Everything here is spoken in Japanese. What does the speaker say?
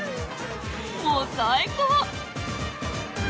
もう最高！